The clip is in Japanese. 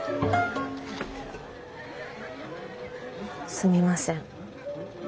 すみません。